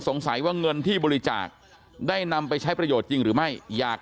สงสัยว่าเงินที่บริจาคได้นำไปใช้ประโยชน์จริงหรือไม่อยาก